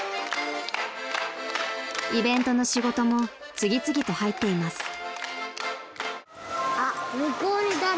［イベントの仕事も次々と入っています］